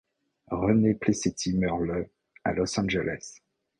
René Plaissetty meurt le à Los Angeles.